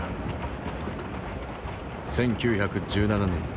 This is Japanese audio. １９１７年。